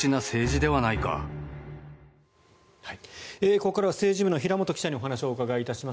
ここからは政治部の平元記者にお話をお伺いします。